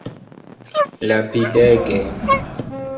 Rapidege!